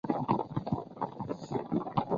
日子不再像以往轻松